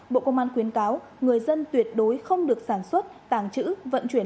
bộ công an khuyến cáo người dân tuyệt đối không được sản xuất tàng trữ vận chuyển